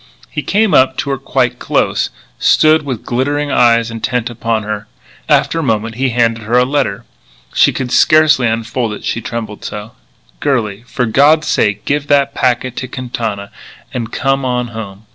He came up to her quite close, stood with glittering eyes intent upon her. After a moment he handed her a letter. She could scarcely unfold it, she trembled so: "Girlie, for God's sake give that packet to Quintana and come on home.